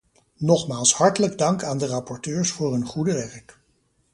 Nogmaals hartelijk dank aan de rapporteurs voor hun goede werk.